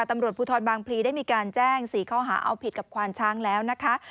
ตำรวจภูทรบางพลีได้มีการแจ้ง๔ข้อหาเอาผิดกับควานช้างแล้วนะคะ